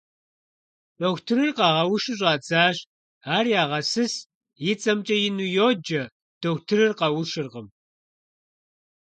Дохутырыр къагъэушу щӀадзащ, ар ягъэсыс, и цӀэмкӀэ ину йоджэ, дохутырыр къэушыжыркъым.